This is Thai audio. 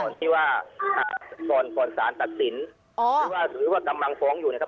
ที่ว่าก่อนก่อนสารตัดสินหรือว่าหรือว่ากำลังฟ้องอยู่นะครับ